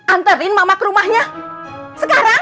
antarin mama ke rumahnya sekarang